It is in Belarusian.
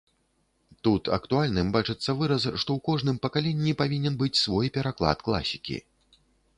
Тут актуальным бачыцца выраз, што ў кожным пакаленні павінен быць свой пераклад класікі.